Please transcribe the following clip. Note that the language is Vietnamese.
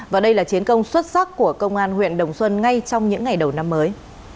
và đây là chiến công xuất sắc của công an huyện đồng xuân ngay trong những ngày đầu năm mới